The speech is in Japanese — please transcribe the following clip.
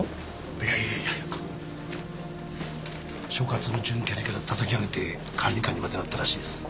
いえいえいえ所轄の準キャリからたたき上げて管理官にまでなったらしいです